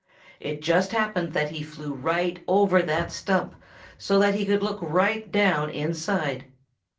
It just happened that he flew right over that stump, so that he could look right down inside.